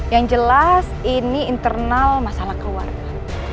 yang jelas ini internal masalah keluarga